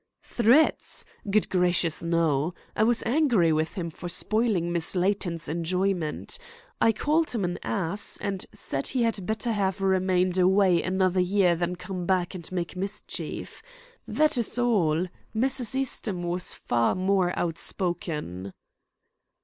"Threats! Good gracious, no. I was angry with him for spoiling Miss Layton's enjoyment. I called him an ass, and said that he had better have remained away another year than come back and make mischief. That is all. Mrs. Eastham was far more outspoken."